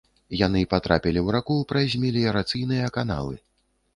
Яны патрапілі ў раку праз меліярацыйныя каналы.